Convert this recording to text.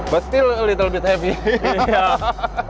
tapi ini masih sedikit berat